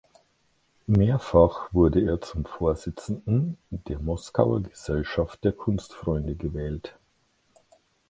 Mehrfach wurde er zum Vorsitzenden der Moskauer Gesellschaft der Kunstfreunde gewählt.